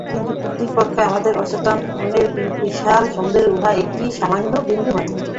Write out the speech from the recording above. কিন্তু প্রকৃতপক্ষে আমাদের অবচেতন মনের বিশাল সমুদ্রে উহা একটি সামান্য বিন্দুমাত্র।